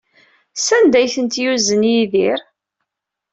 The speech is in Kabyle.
Sanda ay ten-yuzen Yidri?